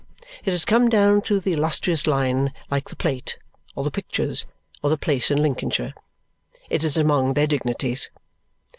It has come down through the illustrious line like the plate, or the pictures, or the place in Lincolnshire. It is among their dignities.